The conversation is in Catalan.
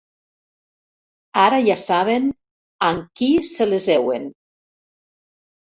Ara ja saben amb qui se les heuen.